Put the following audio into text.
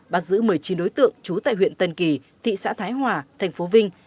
bắt giữ một mươi chín đối tượng trú tại huyện tân kỳ thị xã thái hòa thành phố vinh